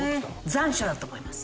残暑だと思います。